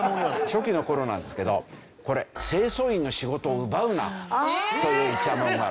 初期の頃なんですけどこれ清掃員の仕事を奪うな！というイチャモンがある。